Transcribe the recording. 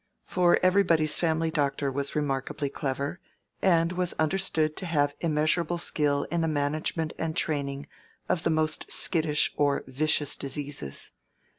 For everybody's family doctor was remarkably clever, and was understood to have immeasurable skill in the management and training of the most skittish or vicious diseases.